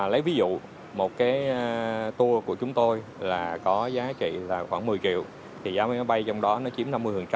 lấy ví dụ một tour của chúng tôi có giá trị khoảng một mươi triệu giá máy bay trong đó chiếm năm mươi